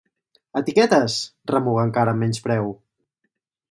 Etiquetes! —remuga encara amb menyspreu.